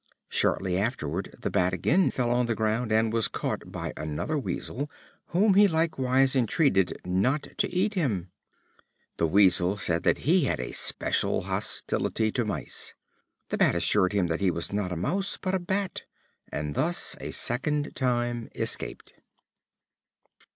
Shortly afterward the Bat again fell on the ground, and was caught by another Weasel, whom he likewise entreated not to eat him. The Weasel said that he had a special hostility to mice. The Bat assured him that he was not a mouse, but a bat; and thus a second time escaped.